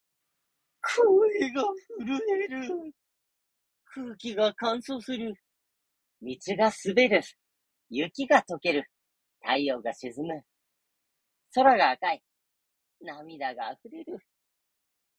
声が震える。空気が乾燥する。道が滑る。雪が解ける。太陽が沈む。空が赤い。涙が溢れる。